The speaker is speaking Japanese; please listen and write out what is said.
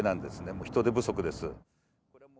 もう人手不足です。